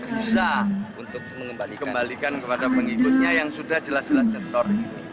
bisa mengembalikan kepada pengikutnya yang sudah jelas jelas jetor